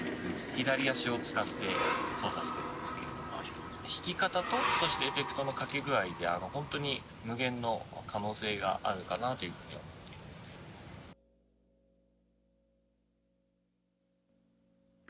左足を使って操作してるんですけれど弾き方とそしてエフェクトの掛け具合でほんとに無限の可能性があるかなというふうに思っているので。